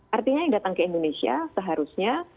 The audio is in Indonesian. artinya yang datang ke indonesia seharusnya